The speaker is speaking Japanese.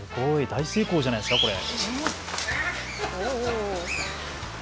大成功じゃないですか、これ。